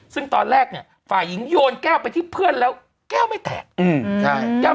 ซึ่งตอนแรกเนี่ยฝ่ายหญิงโยนแก้วไปที่เพื่อนแล้วแก้วไม่แตก